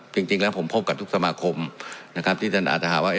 จริงแล้วผมพบกับทุกสมาคมที่อาจจะหาว่า